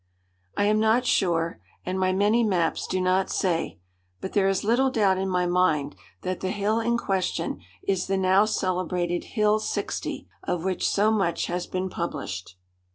I am not sure, and my many maps do not say, but there is little doubt in my mind that the hill in question is the now celebrated Hill 60, of which so much has been published.